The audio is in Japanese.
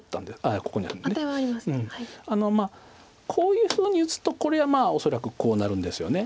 こういうふうに打つとこれは恐らくこうなるんですよね。